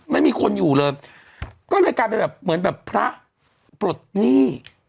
ไม่มีคนอยู่เลยก็เลยกลายเป็นแบบเหมือนแบบพระปลดหนี้